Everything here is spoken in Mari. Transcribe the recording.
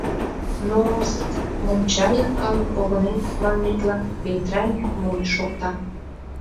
Но-с... монча йыр калык погынен, манметла, ведра йӱк монь шокта.